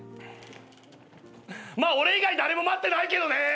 まあ俺以外誰も待ってないけどね！